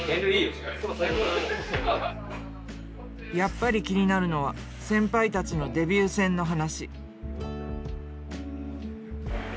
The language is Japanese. やっぱり気になるのは先輩たちのデビュー戦の話。